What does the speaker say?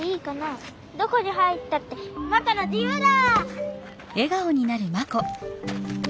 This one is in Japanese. どこに入ったってマコの自ゆうだ！